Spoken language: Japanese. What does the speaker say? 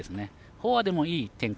フォアでもいい展開。